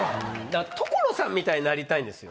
所さんみたいになりたいんですよ。